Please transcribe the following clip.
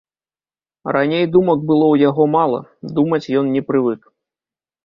Раней думак было ў яго мала, думаць ён не прывык.